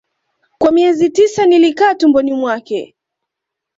Kwa miezi tisa nilikaa tumboni mwake